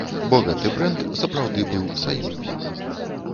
Бо гэты брэнд сапраўды быў саюзны.